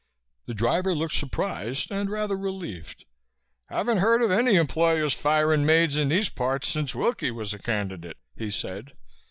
The driver looked surprised and rather relieved. "Haven't heard of any employers firin' maids in these parts since Wilkie was a candidate," he said.